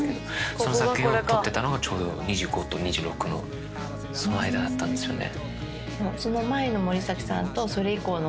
その作品を撮ってたのがちょうど２５と２６のその間だったんですよね。